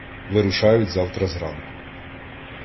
Вирушають завтра зранку.